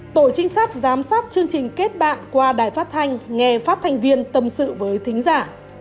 tổ trinh sát giám sát chương trình kết bạn qua đài phát thanh nghe phát thành viên tâm sự với thính giả